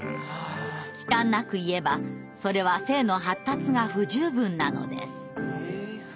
忌憚なく言えばそれは性の発達が不十分なのです」。